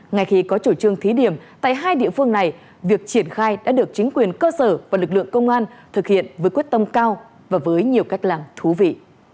ngay khi có chủ trương thí điểm tại hai địa phương này việc triển khai đã được chính quyền cơ sở và lực lượng công an thực hiện với quyết tâm cao và với nhiều cách làm thú vị